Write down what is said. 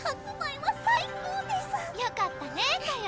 よかったねかよ